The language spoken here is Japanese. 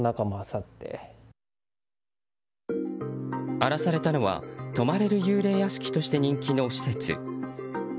荒らされたのは、泊まれる幽霊屋敷として人気の施設。